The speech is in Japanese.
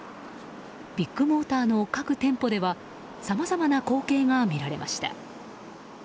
ビッグモーターの各店舗ではさまざまな光景が見られました。